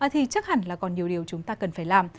thì chắc hẳn là còn nhiều điều chúng ta cần phải làm